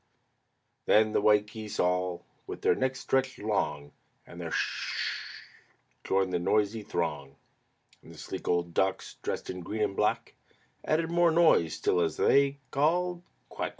Then the white geese all, with their necks stretched long And their "S s s!" joined the noisy throng. And the sleek old ducks, dressed in green and black, Added more noise still as they called "Quack!